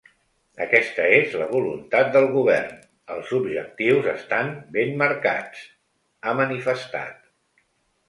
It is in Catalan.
Aquesta és la voluntat del govern, els objectius estan ben marcats, ha manifestat.